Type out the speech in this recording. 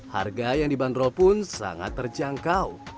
harga yang dibanderol pun sangat terjangkau